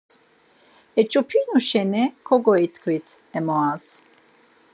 Yeç̌opinu şeni koǩoitkvit emoras.